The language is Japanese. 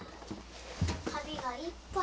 カビがいっぱい。